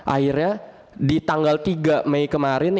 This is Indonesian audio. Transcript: akhirnya di tanggal tiga mei kemarin